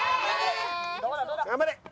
頑張れ！